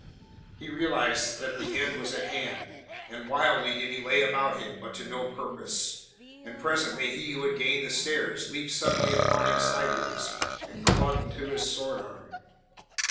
He realized that the end was at hand, and wildly did he lay about him, but to no purpose. And presently, he who had gained the stairs leaped suddenly upon him sideways, and clung to his swordarm.